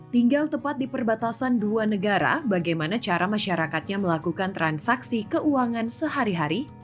tinggal tepat di perbatasan dua negara bagaimana cara masyarakatnya melakukan transaksi keuangan sehari hari